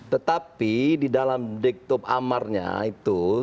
tetapi di dalam diktub amarnya itu